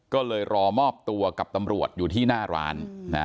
ก็เลยรอมอบตัวกับตำรวจอยู่ที่หน้าร้าน